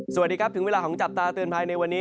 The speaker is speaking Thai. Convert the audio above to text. สวัสดีครับถึงเวลาของจับตาเตือนภัยในวันนี้